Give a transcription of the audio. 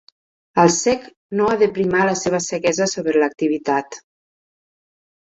El cec no ha de primar la seva ceguesa sobre l'activitat.